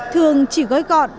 thường chỉ gói gọn